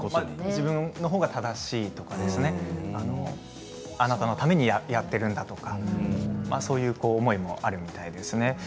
自分の方が正しいとかあなたのためにやっているんだとかそういう思いもあるみたいですね。